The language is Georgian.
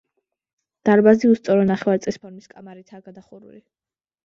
დარბაზი უსწორო ნახევარწრის ფორმის კამარითაა გადახურული.